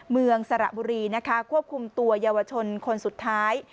เมืองสระบุรีควบคุมตัวยวชนคนสุดท้าย